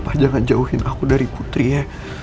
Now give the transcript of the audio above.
pas jangan jauhin aku dari putri ya